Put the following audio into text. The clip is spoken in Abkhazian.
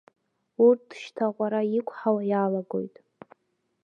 Урҭ шьҭа аҟәара иқәҳауа иалагоит.